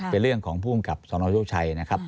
เป็นเรื่องของภูมิกับสนโชคชัยนะครับ